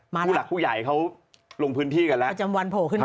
ผู้หลักผู้ใหญ่เขาลงพื้นที่กันแล้ว